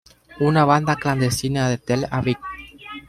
Una banda clandestina de Tel Aviv.